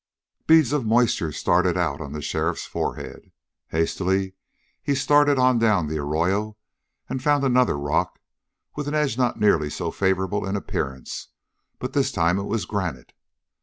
Beads of moisture started out on the sheriff's forehead. Hastily he started on down the arroyo and found another rock, with an edge not nearly so favorable in appearance, but this time it was granite.